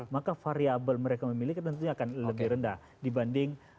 maka variabel mereka memiliki tentunya akan lebih rendah dibanding